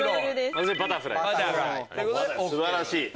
素晴らしい！